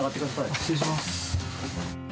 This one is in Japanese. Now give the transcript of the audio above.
失礼します。